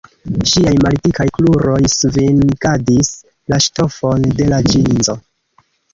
Ŝiaj maldikaj kruroj svingadis la ŝtofon de la ĵinzo.